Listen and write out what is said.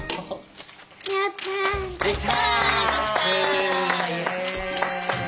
やった！